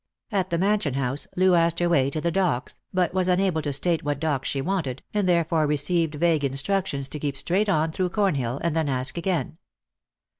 At the Mansion House, Loo asked her way to the Docks, but was unable to state what docks she wanted, and therefore received vague instructions to keep straight on through Cornhill, and then ask again.